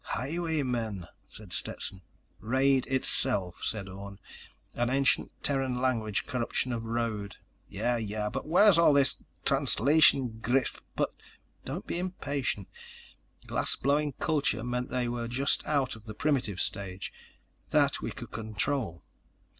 "Highwaymen," said Stetson. "Raid itself," said Orne. "An ancient Terran language corruption of road." "Yeah, yeah. But where'd all this translation griff put—" "Don't be impatient. Glass blowing culture meant they were just out of the primitive stage. That, we could control.